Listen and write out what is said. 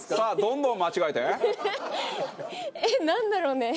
えっなんだろうね？